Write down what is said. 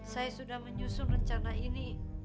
saya sudah menyusun rencana ini